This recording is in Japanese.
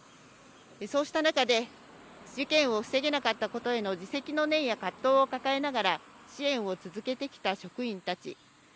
そうした中で、事件を防げなかったことへの自責の念や葛藤を抱えながら支援を続けてきた職員たち。